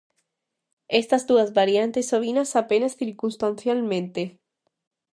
Estas dúas variantes ovinas apenas circunstancialmente.